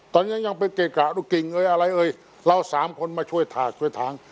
ตอนนี้ยังเป็นเกรกะลูกกิ่งเรา๓คนมาช่วยทาง